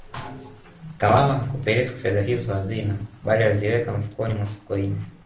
kawawa hakupele fedha hizo hazina bali aliziweka mfukoni mwa sokoine